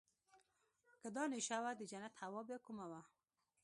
که دا نېشه وه د جنت هوا بيا کومه وه.